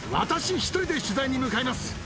一人で取材に向かいます。